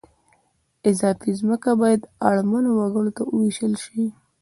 اضافي ځمکه باید اړمنو وګړو ته ووېشل شي